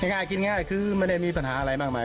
ง่ายกินง่ายคือไม่ได้มีปัญหาอะไรมากมาย